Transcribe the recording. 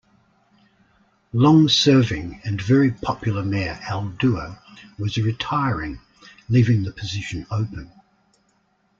Long serving and very popular mayor Al Duerr was retiring leaving the position open.